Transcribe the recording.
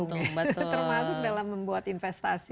termasuk dalam membuat investasi